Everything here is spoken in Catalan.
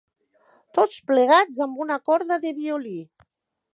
Tots plegats amb una corda de violí